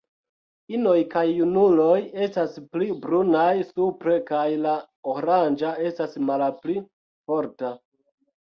Inoj kaj junuloj estas pli brunaj supre kaj la oranĝa estas malpli forta.